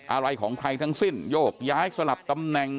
อะไรของใครทั้งสิ้นโยกย้ายสลับตำแหน่ง